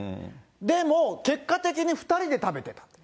でも結果的に２人で食べてたと。